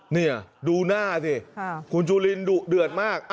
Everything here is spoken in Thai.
นี่ดูหน้าสิคุณจุลินดุเดือดมาก